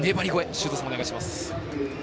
修造さん、お願いします。